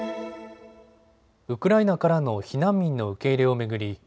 ウクライナからの避難民の受け入れを巡り